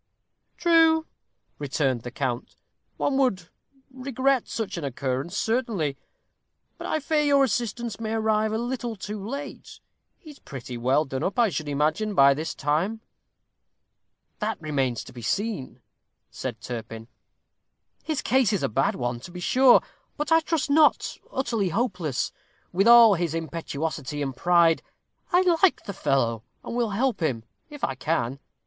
"True," returned the count; "one would regret such an occurrence, certainly. But I fear your assistance may arrive a little too late. He is pretty well done up, I should imagine, by this time." "That remains to be seen," said Turpin. "His case is a bad one, to be sure, but I trust not utterly hopeless. With all his impetuosity and pride, I like the fellow, and will help him, if I can.